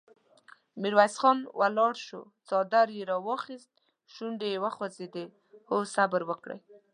ميرويس خان ولاړ شو، څادر يې ور واخيست، شونډې يې وخوځېدې: هو! صبر وکړئ!